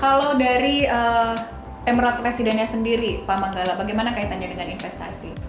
kalau dari emerald residentnya sendiri pak manggala bagaimana kaitannya dengan investasi